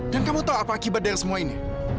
dan kamu tahu apa akibat dari semua ini